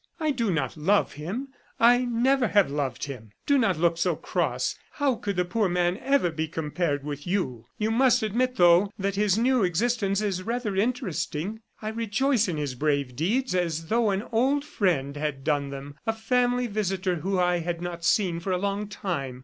"I do not love him, I never have loved him. Do not look so cross! How could the poor man ever be compared with you? You must admit, though, that his new existence is rather interesting. I rejoice in his brave deeds as though an old friend had done them, a family visitor whom I had not seen for a long time.